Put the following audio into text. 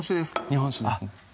日本酒ですね